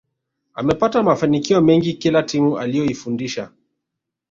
Amepata mafanikio mengi kila timu aliyoifundisha